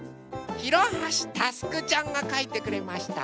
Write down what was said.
ひろはしたすくちゃんがかいてくれました。